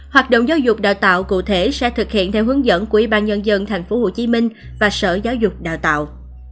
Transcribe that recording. hoạt động giáo dục đào tạo cụ thể sẽ thực hiện theo hướng dẫn của ủy ban nhân dân tp hcm và sở giáo dục đào tạo